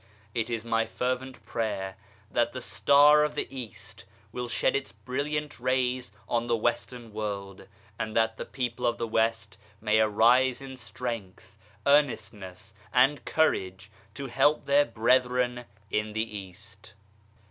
It is my fervent prayer that the Star of the East will shed its brilliant rays on the Western World, and that the people of the West may arise in strength, earnestness, and courage, to help their brethren in the East.